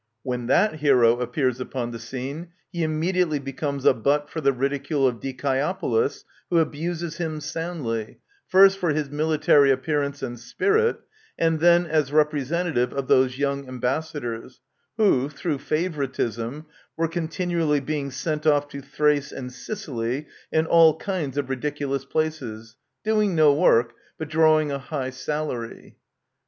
When that hero appears upon the scene, he immediately becomes a butt for the ridicule of Dicaeopolis, who abuses him soundly, first for his military appearance and spirit, and then as representative of those young ambassadors who, through favouritism, were continually being sent off to Thrace and Sicily and all kinds of ridiculous places, doing no work,, but drawing a high salary.